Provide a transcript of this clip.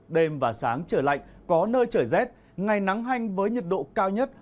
đêm và sáng trời lạnh có nơi trời rét ngày nắng hanh với nhiệt độ cao nhất